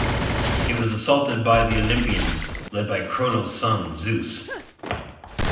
It was assaulted by the Olympians, led by Kronos' son Zeus.